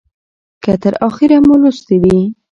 که تر اخیره مو لوستې وي